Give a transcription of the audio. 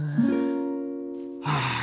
ああ。